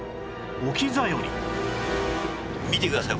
見てください